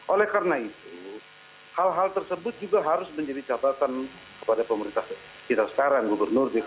oleh karena itu hal hal tersebut juga harus menjadi catatan kepada pemerintah kita sekarang gubernur dki jakarta